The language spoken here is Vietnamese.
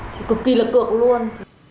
thì cực kỳ là cựa luôn